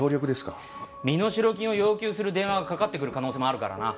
身代金を要求する電話がかかってくる可能性もあるからな。